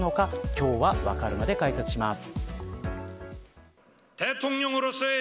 今日はわかるまで解説します。